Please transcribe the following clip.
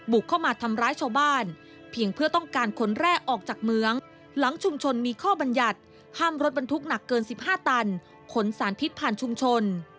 เข้ามาทำร้ายชาวบ้านเพียงเพื่อต้องการขนแร่ออกจากเมืองหลังชุมชนมีข้อบรรยัติห้ามรถบรรทุกหนักเกิน๑๕ตันขนสารพิษผ่านชุมชน